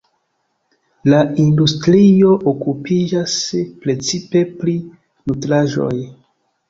La industrio okupiĝas precipe pri nutraĵoj.